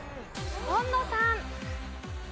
紺野さん。